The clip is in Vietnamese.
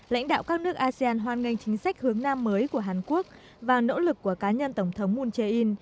lãnh đạo các nước asean hoan nghênh chính sách hướng nam mới của hàn quốc và nỗ lực của cá nhân tổng thống moon jae in